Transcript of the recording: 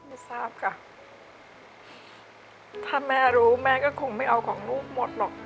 ไม่ทราบค่ะถ้าแม่รู้แม่ก็คงไม่เอาของลูกหมดหรอก